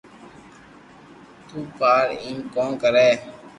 تو يار ايم ڪون ڪري